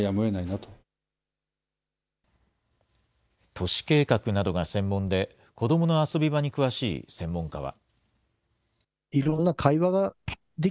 都市計画などが専門で、子どもの遊び場に詳しい専門家は。